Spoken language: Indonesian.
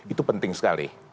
itu penting sekali